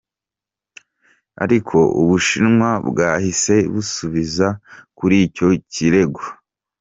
Ariko Ubushinwa bwahise busubiza kuri icyo kirego.